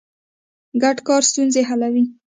ګډ کار ستونزې حلوي.